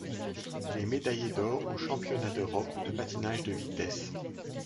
Il est médaillé d'or aux Championnats d'Europe de patinage de vitesse.